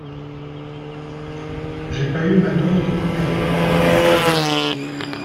J'ai pas eu ma dose de cocaïne.